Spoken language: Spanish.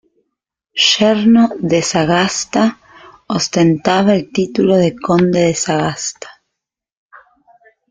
Yerno de Sagasta, ostentaba el título de conde de Sagasta.